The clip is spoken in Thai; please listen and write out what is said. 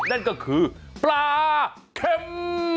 นั่นก็คือปลาเข็ม